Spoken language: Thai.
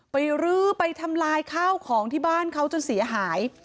รื้อไปทำลายข้าวของที่บ้านเขาจนเสียหาย